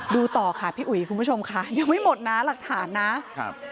ดูต่อค่ะพี่อุ๋ยคุณผู้ชมค่ะยังไม่หมดนะหลักฐานนะครับ